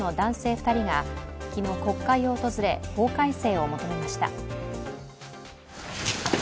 ２人が昨日国会を訪れ法改正を求めました。